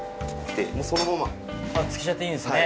漬けちゃっていいんですね。